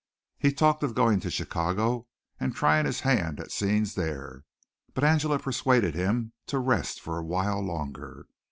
He talked of going to Chicago and trying his hand at scenes there, but Angela persuaded him to rest for a while longer.